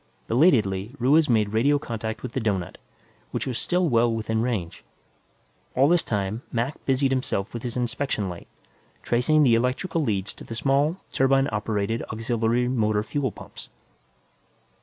Belatedly, Ruiz made radio contact with the doughnut, which was still well within range. All this time, Mac busied himself with his inspection light, tracing the electrical leads to the small, turbine operated auxiliary motor fuel pumps.